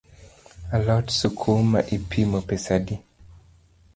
A lot sikuma ipimo pesa adi?